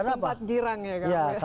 ini sempat girang ya kamu ya